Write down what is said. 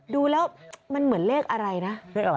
ดูแล้วมันเหมือนเลขอะไรนะ